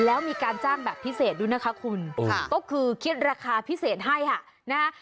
แล้วมีการจ้างแบบพิเศษด้วยนะคะคุณก็คือคิดราคาพิเศษให้ค่ะนะฮะ